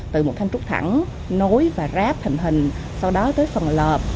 từ một thanh trúc thẳng nối và ráp thành hình sau đó tới phần lợp